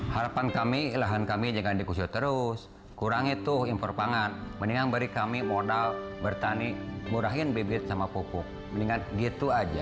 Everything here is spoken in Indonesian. harapan kami lahan kami jangan dikusur terus kurangi tuh impor pangan mendingan beri kami modal bertani murahin bibit sama pupuk mendingan gitu aja